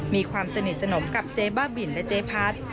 มีความสนิทสนมกับเจ๊บ้าบินและเจ๊พัด